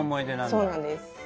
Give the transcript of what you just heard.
そうなんです。